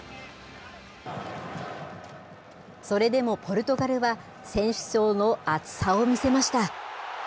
それでもポルトガルは選手層の厚さを見せました。